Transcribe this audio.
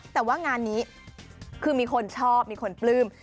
แต่ว่างานนี้คือมีคนชอบมีคนปลื้ม